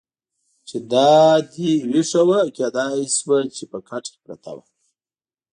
چې دا دې وېښه وه، کېدای شوه چې په کټ کې پرته وه.